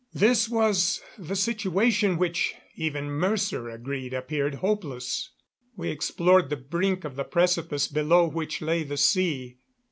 This was the situation which, even Mercer agreed, appeared hopeless. We explored the brink of the precipice below which lay the sea.